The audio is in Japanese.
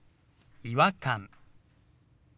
「違和感」。